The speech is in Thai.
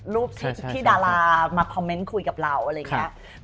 รูปที่ดารามาคอมเมนต์คุยกับเราอะไรอย่างนี้